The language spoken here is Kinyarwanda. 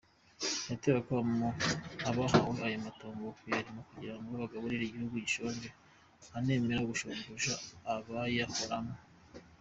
Yateye akamo abahawe ayo matongo kuyarima kugira bagaburire igihugu gishonje, anemera gushumbusha abayahoramwo.